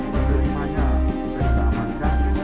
dari kepala sama kaki